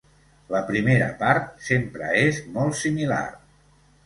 La primera part sempre és molt similar.